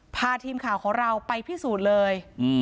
พาทีมข่าวของเราไปพิสูจน์เลย